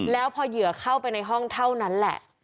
แล้วพอเหยื่อเข้าไปในห้องเท่านั้นแหละ